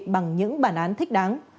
bằng những bản án thích đáng